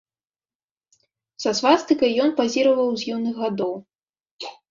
Са свастыкай ён пазіраваў з юных гадоў.